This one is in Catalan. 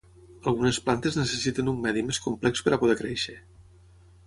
Algunes plantes necessiten un medi més complex per a poder créixer.